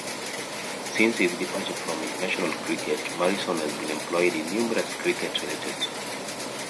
Since his departure from international cricket, Morrison has been employed in numerous cricket-related positions.